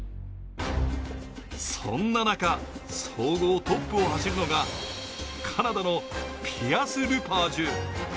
そんな中、総合トップを走るのがカナダのピアス・ルパージュ。